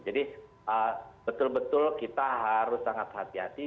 jadi betul betul kita harus sangat hati hati